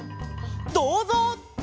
「どうぞう！」